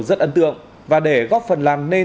rất ấn tượng và để góp phần làm nên